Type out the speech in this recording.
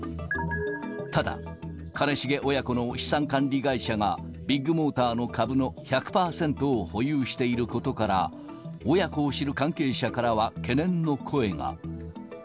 ただ、兼重親子の資産管理会社が、ビッグモーターの株の１００％を保有していることから、親子を知る関係者からは懸念の声が。